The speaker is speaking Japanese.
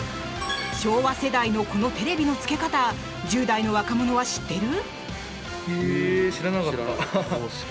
昭和世代のこのテレビのつけ方１０代の若者は知ってる？